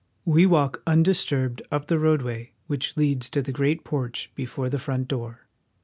We walk undisturbed up the roadway which leads to the great porch before the front door.